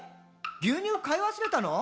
牛乳買い忘れたの？」